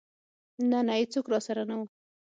نه نه ايڅوک راسره نه و.